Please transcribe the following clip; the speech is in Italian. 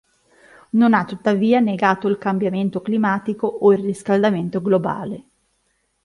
Non ha, tuttavia, negano il cambiamento climatico o il riscaldamento globale.